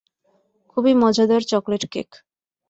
খুবই মজাদার chocolate cake.